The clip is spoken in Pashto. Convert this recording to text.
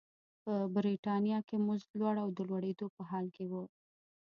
په برېټانیا کې مزد لوړ او د لوړېدو په حال کې و.